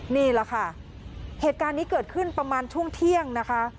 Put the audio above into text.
นี่แหละค่ะเหตุการณ์นี้เกิดขึ้นประมาณช่วงเที่ยงนะคะ